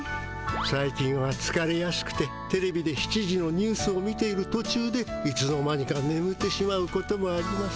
最近はつかれやすくてテレビで７時のニュースを見ているとちゅうでいつの間にかねむってしまうこともあります。